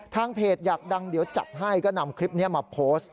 เพจอยากดังเดี๋ยวจัดให้ก็นำคลิปนี้มาโพสต์